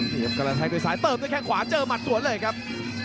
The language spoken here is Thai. เตรียมกระทั่งด้วยซ้ายเติบด้วยแค่ขวาเจอมัดสวนเลยครับ